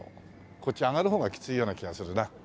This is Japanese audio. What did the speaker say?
こっち上がる方がきついような気がするな。